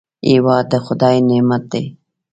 هېواد د خدای نعمت دی